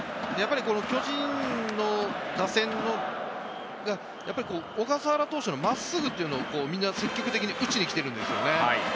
巨人の打線が小笠原投手の真っすぐというのをみんな積極的に打ちにきてるんですよね。